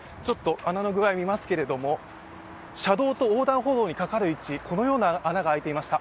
穴の具合、見ますけれども、車道と横断歩道にかかる位置、このような穴が開いていました。